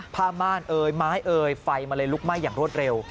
ผ้าม่านเอ่ยไม้เอ่ยไฟมันเลยลุกไหม้อย่างรวดเร็ว